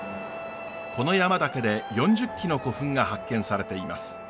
この山だけで４０基の古墳が発見されています。